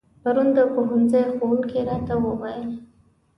پرون د پوهنځي ښوونکي راته و ويل